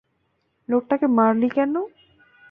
লোকটাকে মারলি কেন?